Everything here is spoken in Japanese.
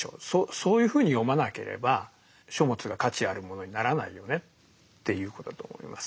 そういうふうに読まなければ書物が価値あるものにならないよねっていうことだと思いますね。